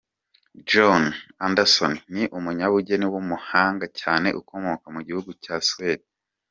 Johan Anderson ni umunyabugeni w’umuhanga cyane ukomoka mu gihugu cya Suede.